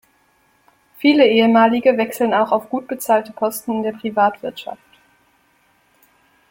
Viele Ehemalige wechseln auch auf gut bezahlte Posten in der Privatwirtschaft.